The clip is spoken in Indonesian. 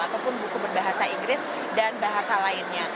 ataupun buku berbahasa inggris dan bahasa lainnya